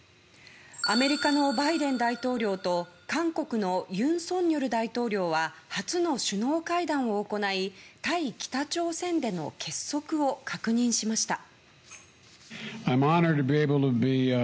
アメリカのバイデン大統領と韓国の尹錫悦大統領は初の首脳会談を行い対北朝鮮での結束を確認しました。